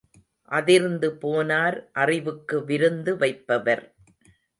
அதிர்ந்து போனார் அறிவுக்கு விருந்து வைப்பவர்.